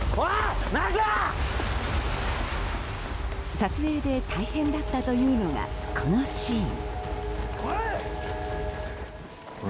撮影で大変だったというのがこのシーン。